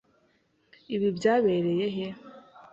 Ibi byabereye he?